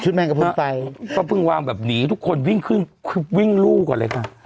ชุดแม่งกระพุนไฟก็เพิ่งวางแบบนี้ทุกคนวิ่งขึ้นคือวิ่งลูกก่อนเลยค่ะ